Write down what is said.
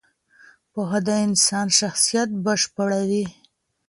پوهه د انسان شخصیت بشپړوي.